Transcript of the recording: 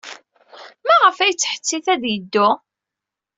Maɣef ay yettḥettit ad yeddu?